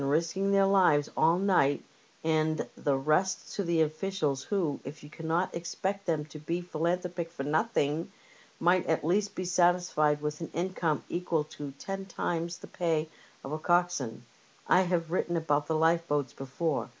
173 risking their lives all night, and the rest to officials who^ if you cannot expect them to be philanthropic for nothing, might at least be satisfied with an income equal to ten times the pay of a coxswain. I have written about the lifeboats before.